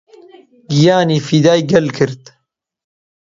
گیانی فیدای گەلی کرد